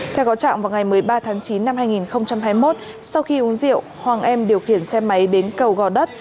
theo có trạng vào ngày một mươi ba tháng chín năm hai nghìn hai mươi một sau khi uống rượu hoàng em điều khiển xe máy đến cầu gò đất